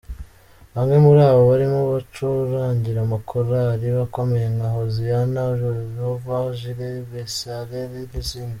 Bamwe muri abo barimo bacurangira amakorali akomeye nka Hoziyana, Jehovah Jireh, Besarele n’izindi.